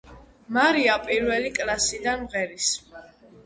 მარია პირველი კლასიდან მღერის.